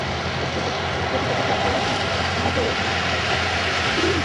এটি কতকটা ফরাসী ধাঁজে উপস্থাপিত বুদ্ধজীবন।